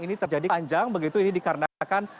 ini terjadi panjang begitu ini dikarenakan